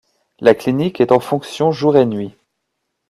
La clinique est en fonction jour et nuit.